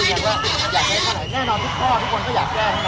แต่มันเป็นการแสดงที่เราแตกต่างจากประเทศอื่นอีก